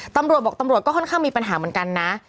ตำรวจบอกตำรวจก็ค่อนข้างมีปัญหาเหมือนกันนะ